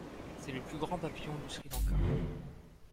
C'est le plus grand papillon du Sri Lanka.